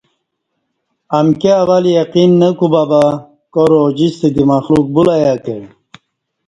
امکی اول یقین نہ کوبہ بہ، کار اوجستہ دی مخلوق بولہ ایہ کہ